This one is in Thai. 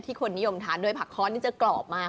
คนนิยมทานด้วยผักค้อนนี่จะกรอบมาก